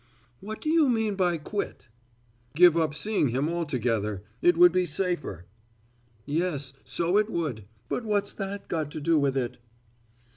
"What do you mean by 'quit'?" "Give up seeing him altogether. It would be safer." "Yes, so it would. But what's that got to do with it?"